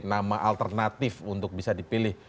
nama alternatif untuk bisa dipilih